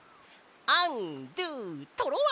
アンドゥトロワ！